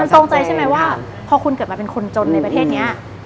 ตรงใจใช่ไหมว่าพอคุณเกิดมาเป็นคนจนในประเทศนี้